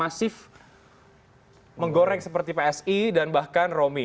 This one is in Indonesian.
masif menggoreng seperti psi dan bahkan romi